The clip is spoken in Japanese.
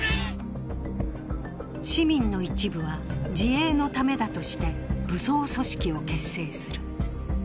市民の一部は、自衛のためだとして武装組織を結成する。